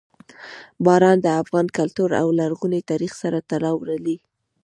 باران د افغان کلتور او لرغوني تاریخ سره تړاو لري.